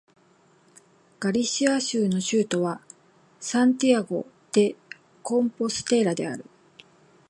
ガリシア州の州都はサンティアゴ・デ・コンポステーラである